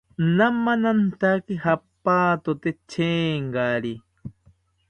Namamantaki japatote chengari